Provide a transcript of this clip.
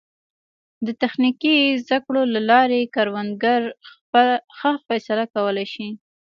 د تخنیکي زده کړو له لارې کروندګر ښه فیصله کولی شي.